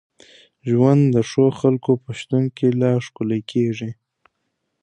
ژوند د ښو خلکو په شتون کي لا ښکلی کېږي.